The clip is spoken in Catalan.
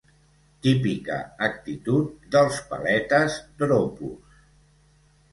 Típica actitud dels paletes dropos.